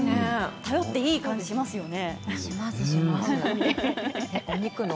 頼っていい感じがしますよね。